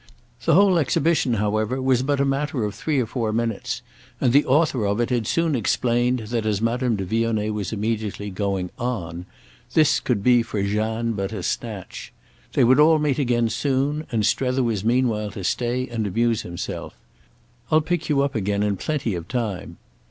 The whole exhibition however was but a matter of three or four minutes, and the author of it had soon explained that, as Madame de Vionnet was immediately going "on," this could be for Jeanne but a snatch. They would all meet again soon, and Strether was meanwhile to stay and amuse himself—"I'll pick you up again in plenty of time."